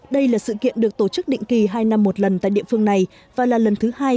đây là sự kiện được tổ chức định kỳ hai năm một lần tại địa phương này và là lần thứ hai